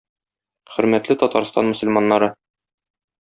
Хөрмәтле Татарстан мөселманнары!